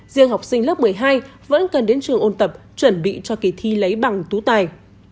riêng học sinh lớp một mươi hai vẫn cần đến trường ôn tập chuẩn bị cho kỳ thi lấy bằng tú tài